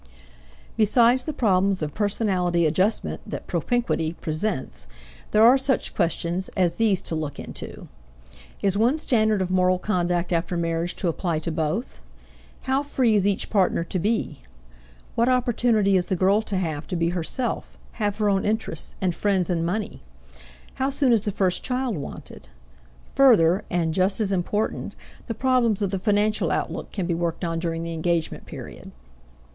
Besides the problems of personality adjustment that propinquity presents, there are such questions as these to look into: Is one standard of moral conduct after marriage to apply to both? How free is each partner to be? What opportunity is the girl to have to be herself, have her own interests and friends and money? How soon is the first child wanted? Further and just as important the problems of the financial outlook can be worked on during the engagement period.